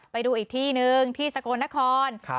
ไปดูอีกที่นึงที่สกลนคร